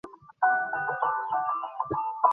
সীতারাম কহিল, আসুন, আমার সঙ্গে আসুন।